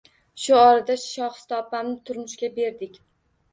Shu orada Shohista opamni turmushga berdik